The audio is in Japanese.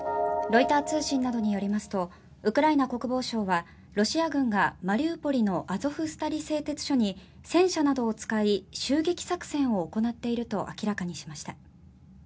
ロイター通信などによりますとウクライナ国防省はロシア軍がマリウポリのアゾフスタリ製鉄所に戦車などを使い、襲撃作戦を行っていると明らかにしました。